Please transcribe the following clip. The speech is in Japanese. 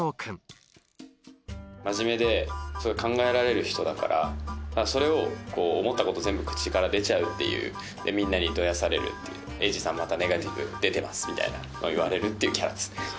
真面目で考えられる人だからそれを思ったこと全部口から出ちゃうっていうみんなにどやされるっていうみたいなの言われるっていうキャラですね